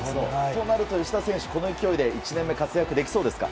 となると吉田選手、この調子で１年目、活躍できそうですか？